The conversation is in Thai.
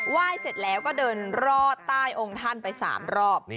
ยเสร็จแล้วก็เดินรอดใต้องค์ท่านไป๓รอบ